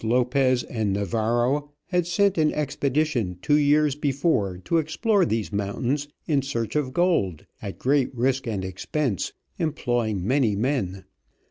Lopez and Navarro, had sent an expedition two years before to explore these mountains in search of gold, at great risk and expense, employing many men.